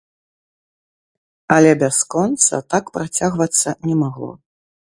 Але бясконца так працягвацца не магло.